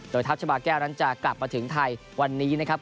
โดยทัพชาบาแก้วนั้นจะกลับมาถึงไทยวันนี้นะครับ